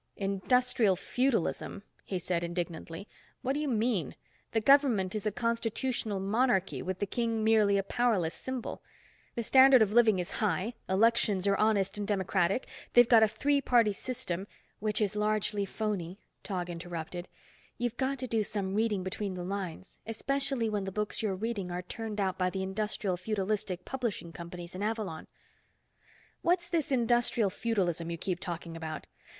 "Industrial feudalism," he said indignantly. "What do you mean? The government is a constitutional monarchy with the king merely a powerless symbol. The standard of living is high. Elections are honest and democratic. They've got a three party system...." "Which is largely phony," Tog interrupted. "You've got to do some reading between the lines, especially when the books you're reading are turned out by the industrial feudalistic publishing companies in Avalon." "What's this industrial feudalism, you keep talking about?